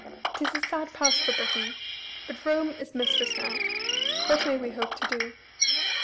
'T is a sad pass for Britain. But Rome is mistress now. What may we hope to do?"